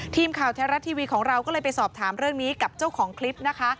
ทีมข่าวแท้รัฐทีวีของเราก็เลยไปสอบถามเรื่องนี้กับเจ้าของคลิปนะคะ